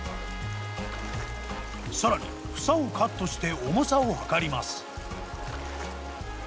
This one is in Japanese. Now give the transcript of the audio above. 更に房をカットして重さを量ります。